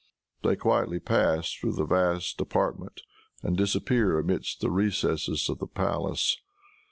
They quietly pass through the vast apartment and disappear amidst the recesses of the palace.